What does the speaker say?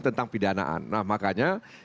tentang pidanaan nah makanya